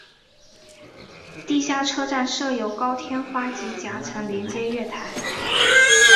地下车站设有高天花及夹层连接月台。